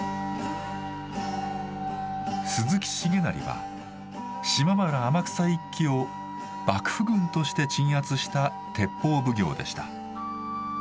鈴木重成は島原天草一揆を幕府軍として鎮圧した鉄砲奉行でした。